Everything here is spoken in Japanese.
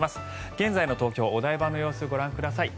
現在の東京・お台場の様子ご覧ください。